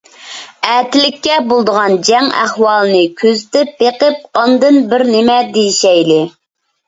ئەتىلىككە بولىدىغان جەڭ ئەھۋالىنى كۆزىتىپ بېقىپ ئاندىن بىرنېمە دېيىشەيلى.